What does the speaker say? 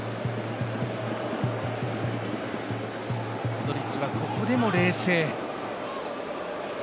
モドリッチはここでも冷静。